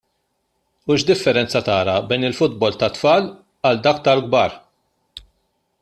U x'differenza tara bejn il-futbol tat-tfal għal dak tal-kbar?